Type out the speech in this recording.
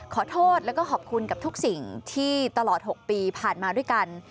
ขอโทษแล้วก็ขอบคุณกับทุกสิ่งที่ตลอด๖ปีผ่านมาด้วยกัน